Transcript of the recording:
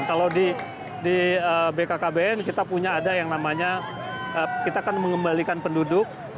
kalau di bkkbn kita punya ada yang namanya kita akan mengembalikan penduduk